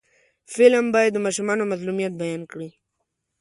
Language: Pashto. فلم باید د ماشومانو مظلومیت بیان کړي